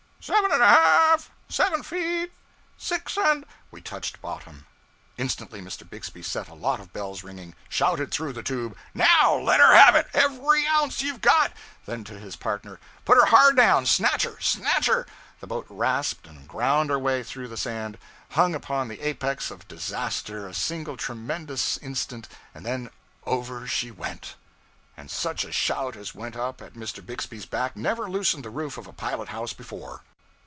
'Seven and a half! Seven feet! Six and ' We touched bottom! Instantly Mr. Bixby set a lot of bells ringing, shouted through the tube, 'NOW, let her have it every ounce you've got!' then to his partner, 'Put her hard down! snatch her! snatch her!' The boat rasped and ground her way through the sand, hung upon the apex of disaster a single tremendous instant, and then over she went! And such a shout as went up at Mr. Bixby's back never loosened the roof of a pilot house before!